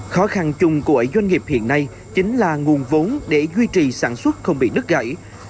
khó khăn chung của doanh nghiệp hiện nay chính là nguồn vốn để duy trì sản xuất không bị đứt gãy